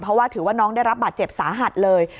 เพราะว่าถือว่าน้องได้รับบาดเจ็บสาหัสเลย